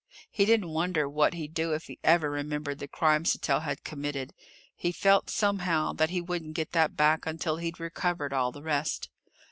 He didn't wonder what he'd do if he ever remembered the crime Sattell had committed. He felt, somehow, that he wouldn't get that back until he'd recovered all the rest.